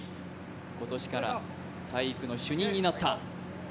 今年から体育の主任になった。